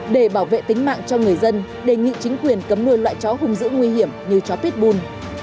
để bảo vệ tính mạng cho người dân đề nghị chính quyền cấm nuôi loại chó hung dữ nguy hiểm như chó pít bùn